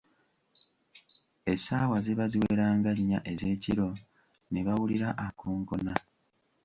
Essaawa ziba ziwera nga nnya ez'ekiro, ne bawulira akonkona.